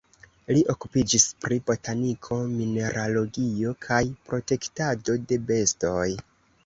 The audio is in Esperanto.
Li okupiĝis pri botaniko, mineralogio kaj protektado de bestoj.